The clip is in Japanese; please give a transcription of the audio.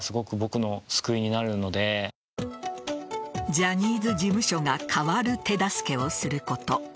ジャニーズ事務所が変わる手助けをすること。